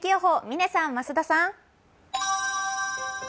嶺さん、増田さん。